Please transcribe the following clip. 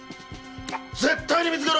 絶対に見つけろ！